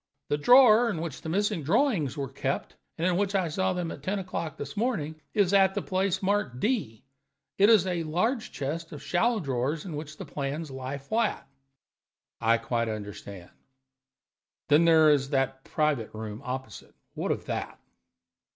The drawer in which the missing drawings were kept, and in which I saw them at ten o'clock this morning, is at the place marked D; it is a large chest of shallow drawers in which the plans lie flat." "I quite understand. Then there is the private room opposite. What of that?"